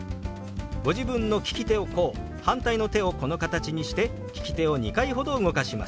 ご自分の利き手をこう反対の手をこの形にして利き手を２回ほど動かします。